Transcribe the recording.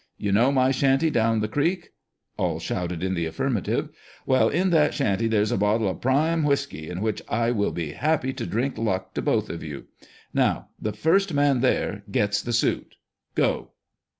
I'ou know my shanty down the creek ?" All shouted in the affirm ative. " Well, in that shanty there's a bottle of prime whisky, in which I will be happy to drink luck to both of you. Now, the first man | there, gets the suit. Go